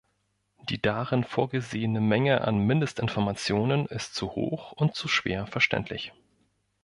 Die darin vorgesehene Menge an Mindestinformationen ist zu hoch und zu schwer verständlich.